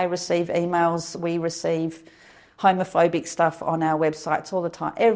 dia masih penuh tantangan